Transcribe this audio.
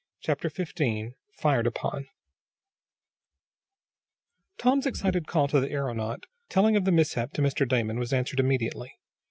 Chapter 15 Fired Upon Tom's excited call to the aeronaut, telling of the mishap to Mr. Damon, was answered immediately.